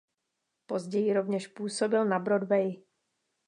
Později rovněž působil na Broadwayi.